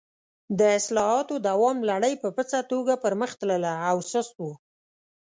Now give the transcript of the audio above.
د اصلاحاتو دوام لړۍ په پڅه توګه پر مخ تلله او سست و.